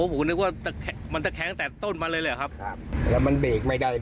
ครับโอ้คุณนึกว่าจะแข็งมันจะแข็งแต่ต้นมาเลยเหรอครับครับแล้วมันเบรกไม่ได้